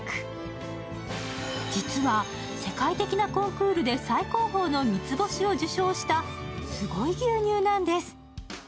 実は世界的なコンクールで最高峰の三つ星を受賞したすごい牛乳なんです。